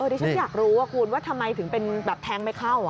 ดิฉันอยากรู้ว่าคุณว่าทำไมถึงเป็นแบบแทงไม่เข้า